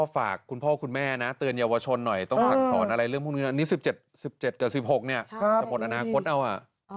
ฝากคุณพ่อคุณแม่นะเตือนเยาวชนหน่อยต้องสั่งสอนอะไรเรื่องพวกนี้นี่๑๗๑๗กับ๑๖เนี่ยจะหมดอนาคตเอา